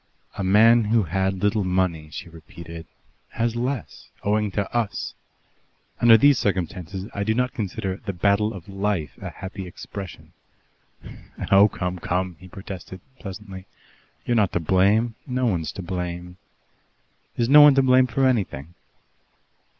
"A man who had little money," she repeated, "has less, owing to us. Under these circumstances I do not consider 'the battle of life' a happy expression." "Oh come, come!" he protested pleasantly. "You're not to blame. No one's to blame." "Is no one to blame for anything?"